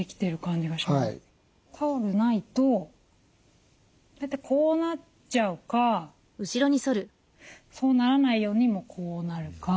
タオルないと大体こうなっちゃうかそうならないようにもうこうなるか。